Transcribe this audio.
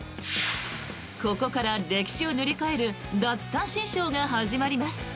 ここから歴史を塗り替える奪三振ショーが始まります。